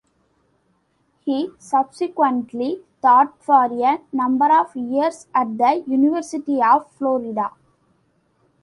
He subsequently taught for a number of years at the University of Florida.